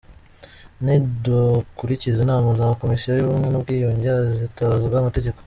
nidakurikiza inama za Komisiyo y’Ubumwe n’Ubwiyunge hazitabazwa amategeko